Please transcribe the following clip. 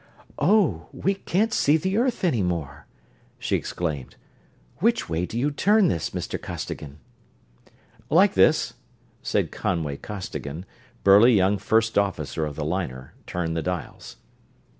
"Oh, we can't see the earth any more!" she exclaimed. "Which way do you turn this, Mr. Costigan?" "Like this," and Conway Costigan, burly young first officer of the liner, turned the dials.